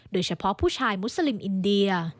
โดยเฉพาะผู้ชายมุสลิมอินเดีย